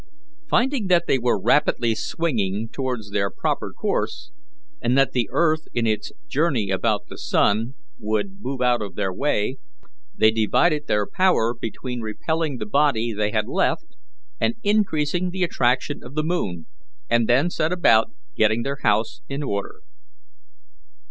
Finding that they were rapidly swinging towards their proper course, and that the earth in its journey about the sun would move out of their way, they divided their power between repelling the body they had left and increasing the attraction of the moon, and then set about getting their house in order.